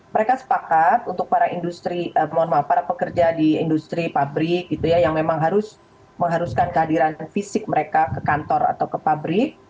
mereka sepakat untuk para industri mohon maaf para pekerja di industri pabrik gitu ya yang memang harus mengharuskan kehadiran fisik mereka ke kantor atau ke pabrik